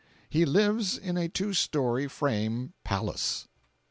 He lives in a two story frame "palace."